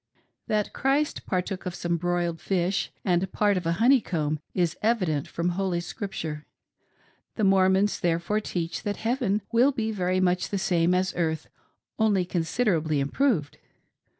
That Christ partook of some broiled fish and part of a honeycomb is evident from Holy Scripture :— the TVIormons therefore teach that heaven will be very much the same as earth, only considerably improved.